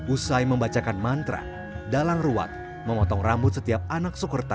usai membacakan mantra dalang ruat memotong rambut setiap anak sokerta